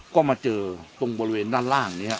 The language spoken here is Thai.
ก็มาเจอตรงบริเวณด้านล่างนี้